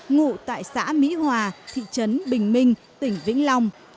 ngụ tại xã mỹ hòa thị trấn bình minh tỉnh vĩnh long